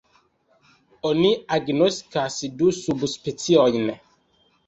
Oni agnoskas du subspeciojn.